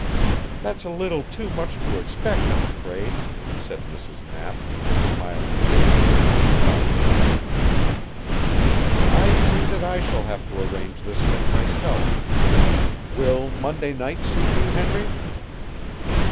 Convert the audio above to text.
"That's a little too much to expect, I'm afraid," said Mrs. Knapp, smiling gaily at Mrs. Bowser's management. "I see that I shall have to arrange this thing myself. Will Monday night suit you, Henry?"